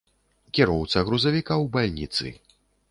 Кіроўца грузавіка ў бальніцы.